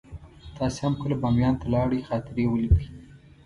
تاسې هم که بامیان ته لاړئ خاطرې ولیکئ.